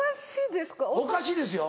おかしいですか？